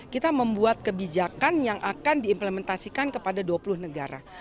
kita membuat kebijakan yang akan diimplementasikan kepada dua puluh negara